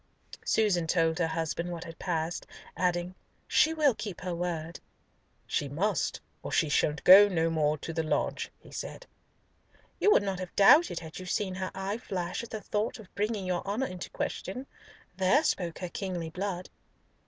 Susan told her husband what had passed, adding, "She will keep her word." "She must, or she shall go no more to the lodge," he said. "You would not have doubted had you seen her eye flash at the thought of bringing your honour into question. There spoke her kingly blood."